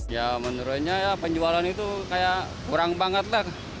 ya menurutnya ya penjualan itu kayak kurang banget lah